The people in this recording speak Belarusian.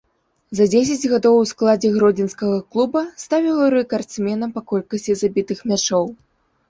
За дзесяць гадоў у складзе гродзенскага клуба стаў яго рэкардсменам па колькасці забітых мячоў.